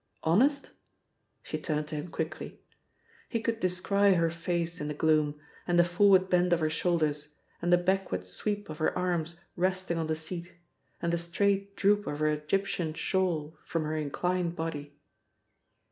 "Honest?" She turned to him quickly. He could descry her face in the gloom, and the forward bend of her shoulders, and the backward sweep of her arms resting on the seat, and the straight droop of her Egyptian shawl from her inclined body.